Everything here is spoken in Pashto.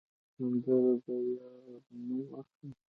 سندره د یار نوم اخلي